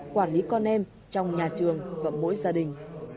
quản lý con em trong nhà trường và mỗi gia đình